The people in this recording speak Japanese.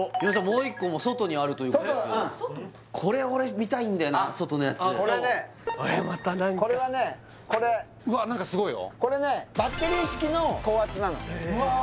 もう一個も外にあるということですけど外うんこれ俺見たいんだよな外のやつまた何かこれはねこれうわっ何かすごいよこれねバッテリー式の高圧なのうわっ！